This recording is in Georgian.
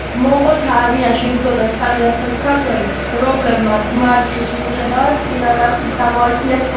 მონღოლთა არმიაში იბრძოდა სამი ათასი ქართველი, რომლებმაც, მარცხის მიუხედევად, სიმამაცით გამოიჩინეს თავი.